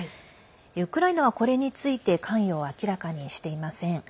ウクライナはこれについて関与は明らかにしていません。